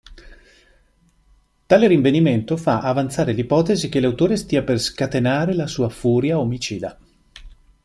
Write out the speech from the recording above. Tale rinvenimento fa avanzare l'ipotesi che l'autore stia per scatenare la sua furia omicida.